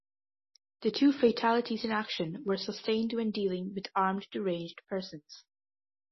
The two fatalities in action were sustained when dealing with armed deranged persons.